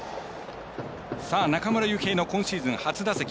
中村悠平の今シーズン初打席。